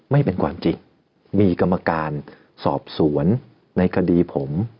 ไม่เป็นความจริงมีกรรมการสอบสวนในคดีผม